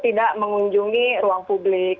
tidak mengunjungi ruang publik